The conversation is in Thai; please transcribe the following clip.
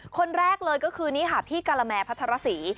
คนแรกเลยก็คือนี่ค่ะพี่การาแมพัชรสี